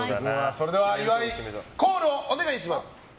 それでは、岩井コールをお願いします。